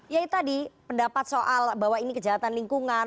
ya itu tadi pendapat soal bahwa ini kejahatan lingkungan